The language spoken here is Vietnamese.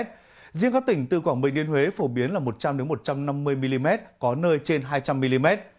riêng các tỉnh từ quảng bình đến huế phổ biến là một trăm linh một trăm năm mươi mm có nơi trên hai trăm linh mm